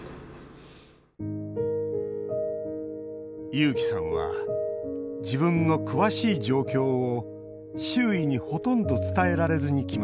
優輝さんは自分の詳しい状況を周囲にほとんど伝えられずにきました。